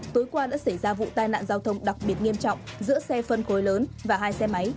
tối qua đã xảy ra vụ tai nạn giao thông đặc biệt nghiêm trọng giữa xe phân khối lớn và hai xe máy